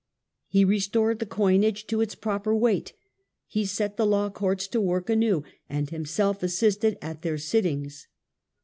He restored the coinage to its proper weight. He set the law courts to work anew, and himself assisted at their sittings.